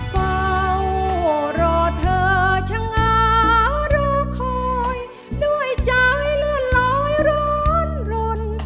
เฝ้ารอเธอชะงารอคอยด้วยใจเลื่อนลอยร้อนรน